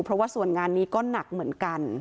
เพราะว่าส่วนงานนี้ก็หนักเหมือนกัน